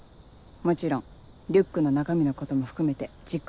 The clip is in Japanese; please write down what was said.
もちろんリュックの中身のことも含めてじっくりね。